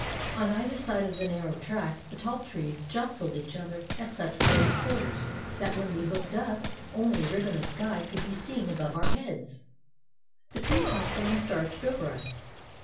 On either side of the narrow track the tall trees jostled each other at such close quarters that, when we looked up, only a ribbon of sky could be seen above our heads. The tree tops almost arched over us.